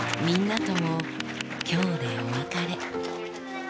みんなともきょうでお別れ。